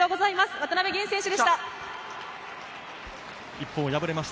渡辺弦選手でした。